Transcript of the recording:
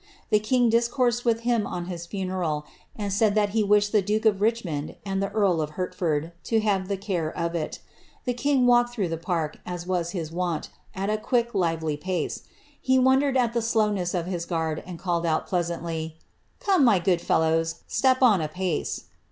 The ki^ discoursed with him on his funeral, and said that he wished the dik of Richmond, and the earl of Hertford, to have the care of it. Tk king walked through the park, as was his wont, at a quick lively pace he wondered at the slowness of his guard, and called out, pleaaanilj ^ Come, my good fellows, step on apace."